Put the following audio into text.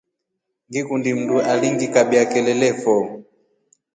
Ngikundi mndu alingikabia kelele fo.